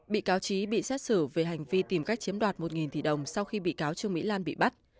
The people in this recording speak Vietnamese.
bị cáo trí bị xét xử về hành vi tìm cách chiếm đoạt một tỷ đồng sau khi bị cáo trương mỹ lan bị bắt